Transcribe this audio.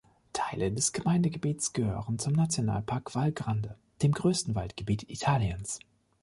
Teile des Gemeindegebiets gehören zum Nationalpark Val Grande, dem größten Waldgebiet Italiens.